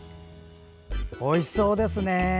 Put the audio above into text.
おいしそうですね。